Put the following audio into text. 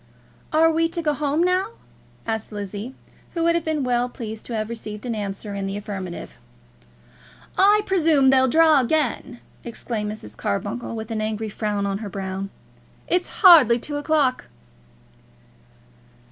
"Are we to go home now?" asked Lizzie, who would have been well pleased to have received an answer in the affirmative. "I presume they'll draw again," exclaimed Mrs. Carbuncle, with an angry frown on her brow. "It's hardly two o'clock."